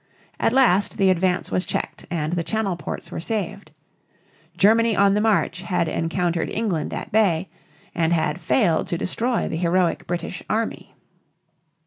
At last the advance was checked and the Channel ports were saved. "Germany on the march had encountered England at bay" and had failed to destroy the heroic British army.